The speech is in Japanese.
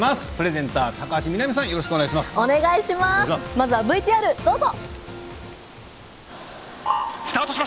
まずはＶＴＲ、どうぞ。